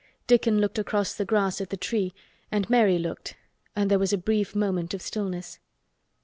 Dickon looked across the grass at the tree and Mary looked and there was a brief moment of stillness.